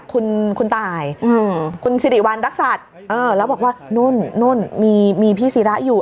คุณคุณตายคุณสิริวัณรักษัตริย์แล้วบอกว่านุ่นนุ่นมีพี่ศิระอยู่